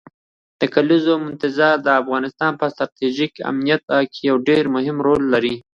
د کلیزو منظره د افغانستان په ستراتیژیک اهمیت کې یو ډېر مهم رول لري.